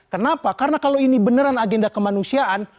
kenapa karena kalau ini beneran agenda kemanusiaan